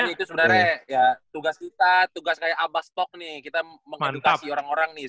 itu sebenarnya ya tugas kita tugas kayak abah stok nih kita mengedukasi orang orang nih